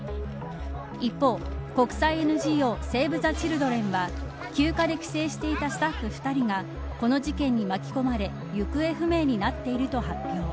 一方、国際ＮＧＯセーブ・ザ・チルドレンは休暇で帰省していたスタッフ２人がこの事件に巻き込まれ行方不明になっていると発表。